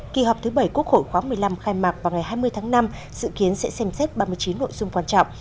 kỳ họp thứ bảy quốc hội khóa một mươi năm khai mạc vào ngày hai mươi tháng năm dự kiến sẽ xem xét ba mươi chín nội dung quan trọng